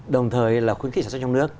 đồng thời là khuyến khích sản xuất trong nước